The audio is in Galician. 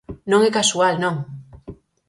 Non é casual, non.